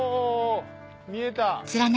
見えた！